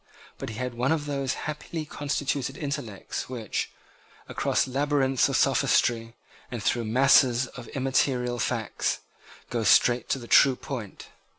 But he had one of those happily constituted intellects which, across labyrinths of sophistry, and through masses of immaterial facts, go straight to the true point.